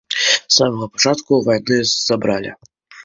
З самага пачатку вайны забралі.